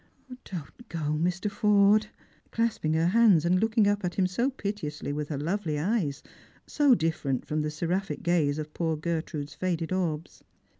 " Don't go, Mr. Forde !" clasping her hands, and looking up at him so piteously with her lovely eyes, so diSerent from the seraphic gaze of poor Gertrude's faded orbs.